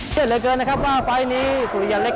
เชื่อเหลือเกินนะครับว่าไฟล์นี้สุริยันเล็ก